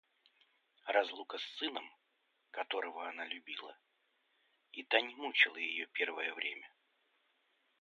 Разлука с сыном, которого она любила, и та не мучала ее первое время.